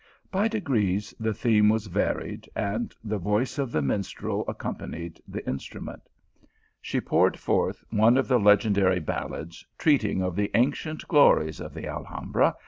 By degrees the theme was varied, and the voice of the minstrel ac companied the instrument. She poured forth one of the legendary ballads treating of the ancient glo ries of the Alhambra.